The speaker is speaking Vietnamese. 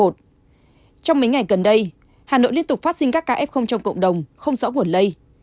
trong mấy ngày gần đây hà nội liên tục phát sinh các ca f trong cộng đồng không rõ nguồn lây